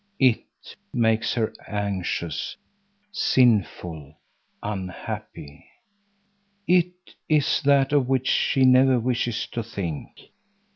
"It" makes her anxious, sinful, unhappy. "It" is that of which she never wishes to think.